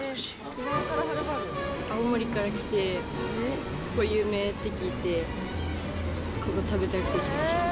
青森から来て、ここ有名って聞いて、ここ食べたくて来ました。